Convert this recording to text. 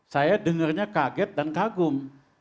saya dengarnya kaget dan kagum